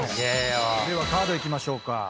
ではカードいきましょうか。